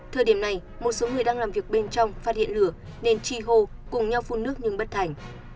thời điểm này một số người đang làm việc bên trong phát hiện lửa nên chi hô cùng nhau phun nước nhưng bất thành